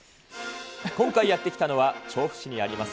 今回、やって来たのは調布市にあります